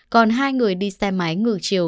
còn hai người đi xe máy ngược chiều